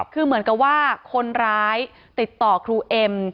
คือเหมือนกับว่าคนร้ายติดต่อครูเอ็ม